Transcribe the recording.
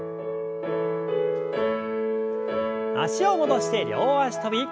脚を戻して両脚跳び。